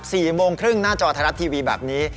วันอาทิตย์หน้านะครับ๔โมงครึ่งหน้าจอไทยรัฐทีวีแบบนี้